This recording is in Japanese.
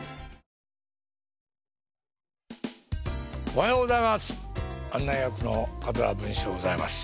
おはようございます！